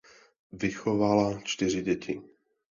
Vychovala čtyři děti.